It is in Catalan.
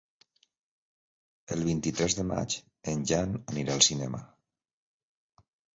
El vint-i-tres de maig en Jan anirà al cinema.